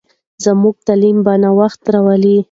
زموږ تعلیم به نوښتونه راولي.